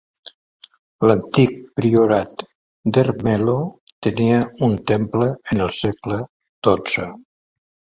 L'antic priorat d'Hermelo tenia un temple en el segle XII.